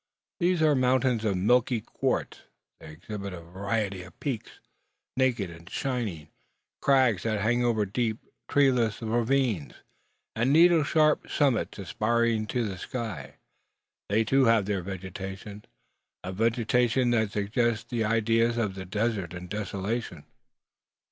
These are mountains of the milky quartz. They exhibit a variety of peaks, naked and shining; crags that hang over deep, treeless ravines, and needle shaped summits aspiring to the sky. They too have their vegetation, a vegetation that suggests ideas of the desert and desolation.